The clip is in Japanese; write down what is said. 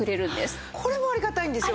これもありがたいんですよ。